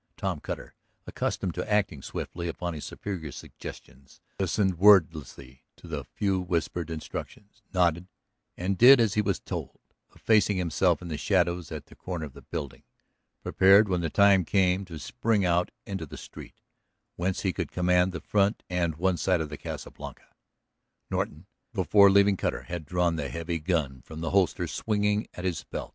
Tom Cutter, accustomed to acting swiftly upon his superior's suggestions, listened wordlessly to the few whispered instructions, nodded, and did as he was told, effacing himself in the shadows at the corner of the building, prepared when the time came to spring out into the street whence he could command the front and one side of the Casa Blanca. Norton, before leaving Cutter, had drawn the heavy gun from the holster swinging at his belt.